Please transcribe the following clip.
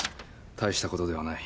たいしたことではない。